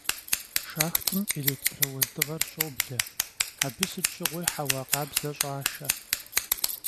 Şşaxtım elêktrouezdığer şoble, abı sıt şığui heua khabze ş'aşşe.